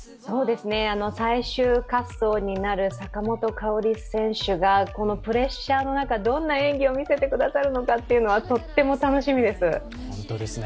最終滑走になる坂本花織選手がこのプレッシャーの中、どんな演技を見せてくださるのかはとっても楽しみです。